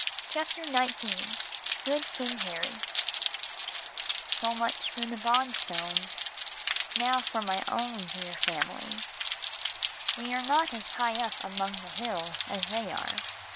CHAPTER XIX GOOD KING HARRY So much for the Bonstones now for my own dear family. We are not as high up among the hills as they are.